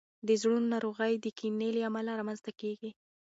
د زړونو ناروغۍ د کینې له امله رامنځته کیږي.